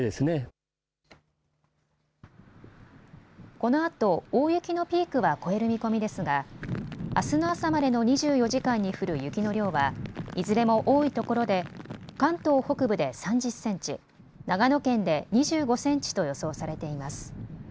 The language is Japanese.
このあと大雪のピークは越える見込みですがあすの朝までの２４時間に降る雪の量はいずれも多いところで関東北部で３０センチ、長野県で２５センチと予想されています。